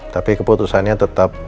tapi keputusannya tetap